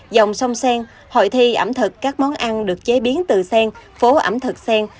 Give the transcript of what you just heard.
dòng sông sen hội thi ẩm thực các món ăn được chế biến từ sen phố ẩm thực sen